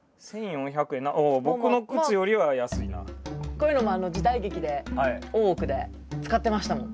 こういうのも時代劇で「大奥」で使ってましたもん。